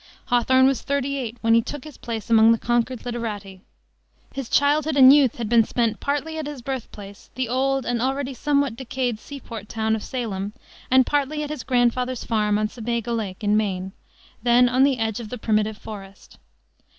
Hawthorne was thirty eight when he took his place among the Concord literati. His childhood and youth had been spent partly at his birthplace, the old and already somewhat decayed sea port town of Salem, and partly at his grandfather's farm on Sebago Lake, in Maine, then on the edge of the primitive forest.